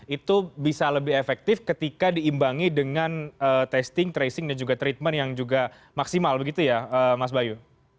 itu bisa lebih efektif ketika diimbangi dengan testing tracing dan juga treatment yang juga maksimal begitu ya mas bayu